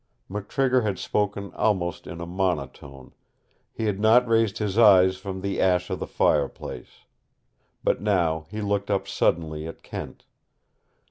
McTrigger had spoken almost in a monotone. He had not raised his eyes from the ash of the fireplace. But now he looked up suddenly at Kent.